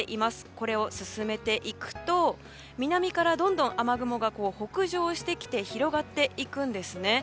これを進めていくと南からどんどん雨雲が北上してきて広がっていくんですね。